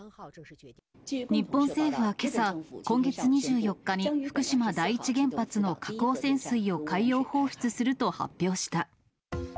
日本政府はけさ、今月２４日に、福島第一原発の核汚染水を海洋放出すると発表した。